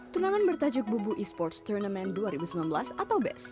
turnamen bertajuk bubu e sports turnamen dua ribu sembilan belas atau best